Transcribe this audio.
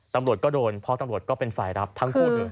ตำรวจก็โดนเพราะตำรวจก็เป็นฝ่ายรับทั้งคู่เลย